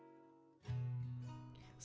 pendarahan yang tidak terkontrol